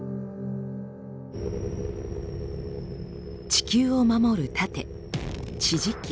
地球を守る盾地磁気。